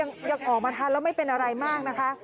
ยังออกมาทันแล้วไม่เป็นอะไรมากนะคะ